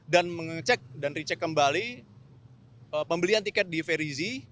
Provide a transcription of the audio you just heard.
dan mengecek dan recek kembali pembelian tiket di ferizi